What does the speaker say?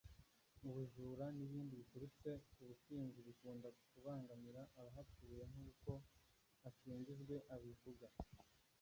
ubujura n’ibindi biturutse ku businzi bikunda kubangamira abahatuye nk’uko Asingizwe abivuga